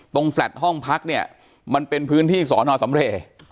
แฟลต์ห้องพักเนี่ยมันเป็นพื้นที่สอนอสำเรย์